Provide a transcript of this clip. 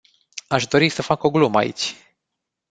Aș dori să fac o glumă aici.